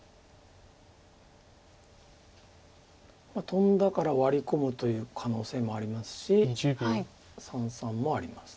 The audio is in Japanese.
トンだからワリ込むという可能性もありますし三々もあります。